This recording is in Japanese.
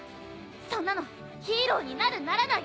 そんなのヒーローになるならない